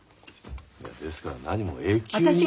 いやですから何も永久に。